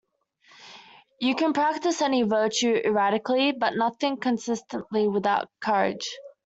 You can practice any virtue erratically, but nothing consistently without courage.